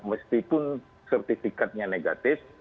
meskipun sertifikatnya negatif